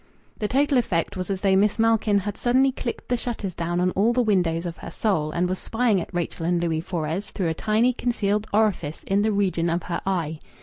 The total effect was as though Miss Malkin had suddenly clicked the shutters down on all the windows of her soul and was spying at Rachel and Louis Fores through a tiny concealed orifice in the region of her eye.